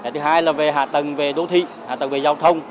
thứ hai là về hạ tầng về đô thị hạ tầng về giao thông